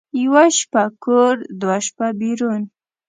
یوه شپه کور، دوه شپه بېرون.